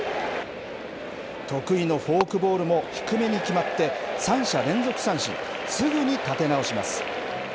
得意のフォークボールも低めに決まって三者連続三振すぐに立て直します。